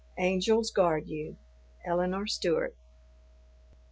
Angels guard you. ELINORE STEWART.